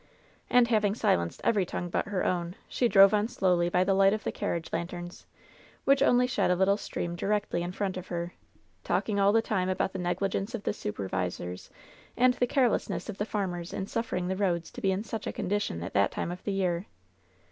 And having silenced every tongue but her own, she drove on slowly by the light of the carriage lanterns, which only shed a little stream directly in front of her, talking all the time about the negligence of the super visors and the carelessness of the farmers in suffering the roads to be in such a condition at that time of the year.